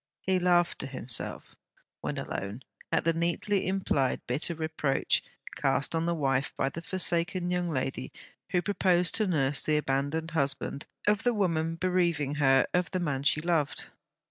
He laughed to himself, when alone, at the neatly implied bitter reproach cast on the wife by the forsaken young lady, who proposed to nurse the abandoned husband of the woman bereaving her of the man she loved.